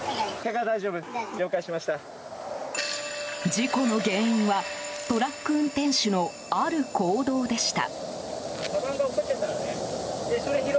事故の原因はトラック運転手のある行動でした。